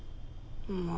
まあ。